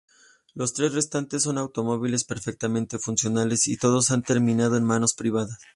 Los tres restantes son automóviles perfectamente funcionales, y todos han terminado en manos privadas.